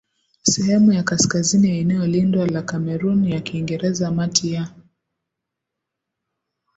sehemu ya kaskazini ya eneo lindwa la Kamerun ya Kiingereza mati ya